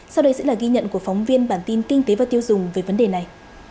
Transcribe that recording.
sau đây sẽ là ghi nhận của phóng viên bản tin kinh tế và tiêu dùng về vấn đề này